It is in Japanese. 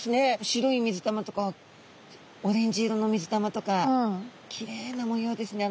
白い水玉とかオレンジ色の水玉とかきれいな模様ですね。